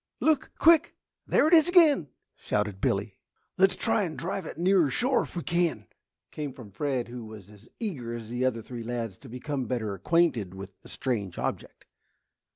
"Look quick! There it is again!" shouted Billy. "Let's try and drive it in nearer shore if we can," came from Fred, who was as eager as the other three lads to become better acquainted with the strange object.